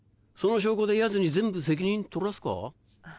その証拠でヤツに全部責任取らすか？